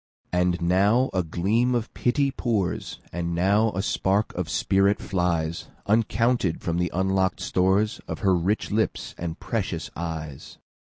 And now a gleam of pity pours, And now a spark of spirit flies, Uncounted, from the unlock'd storesOf her rich lips and precious eyes.